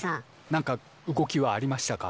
何か動きはありましたか？